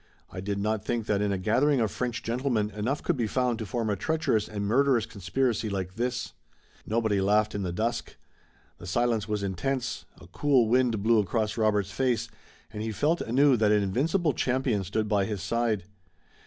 I did not think that in a gathering of French gentlemen enough could be found to form a treacherous and murderous conspiracy like this." Nobody laughed in the dusk. The silence was intense. A cool wind blew across Robert's face, and he felt anew that an invincible champion stood by his side.